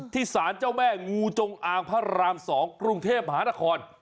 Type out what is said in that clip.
สารเจ้าแม่งูจงอางพระราม๒กรุงเทพมหานคร